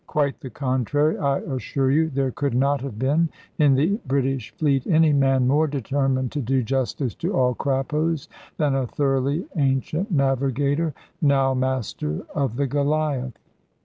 Quite the contrary, I assure you. There could not have been in the British fleet any man more determined to do justice to all Crappos, than a thoroughly ancient navigator, now master of the Goliath.